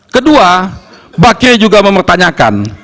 kedua bakri juga mempertanyakan